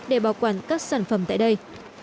để bảo quản các sản phẩm tại đây